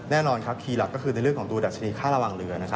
แน่นอนครับคีย์หลักก็คือในเรื่องของตัวดัชนีค่าระวังเรือ